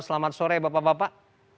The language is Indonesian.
selamat sore bapak bapak